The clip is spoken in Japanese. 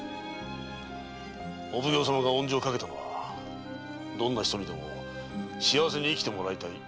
お奉行様が温情をかけたのはどんな人にでも幸せに生きてもらいたい。